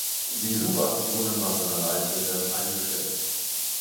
Die Suchaktionen nach seiner Leiche werden eingestellt.